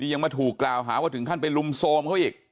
ยังมาถูกกล่าวหาว่าถึงขั้นไปลุมโทรมเขาอีก